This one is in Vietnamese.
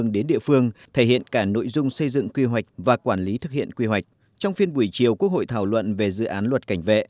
điều quốc hội thảo luận về dự án luật cảnh vệ